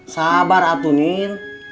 sabar atu nin